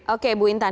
oke bu intan